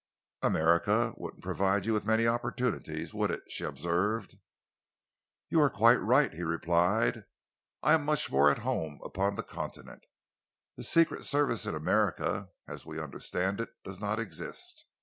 "America wouldn't provide you with many opportunities, would it?" she observed. "You are quite right," he replied. "I am much more at home upon the Continent. The Secret Service in America, as we understand it, does not exist.